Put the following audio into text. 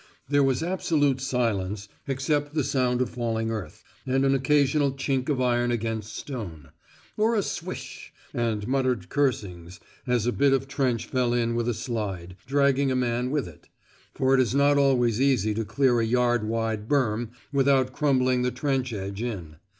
There was absolute silence, except the sound of falling earth, and an occasional chink of iron against stone; or a swish, and muttered cursings, as a bit of trench fell in with a slide, dragging a man with it; for it is not always easy to clear a yard wide "berm" without crumbling the trench edge in.